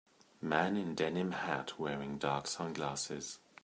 Man in denim hat wearing dark sunglasses.